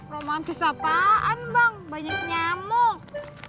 romantis apaan bang banyak nyamuk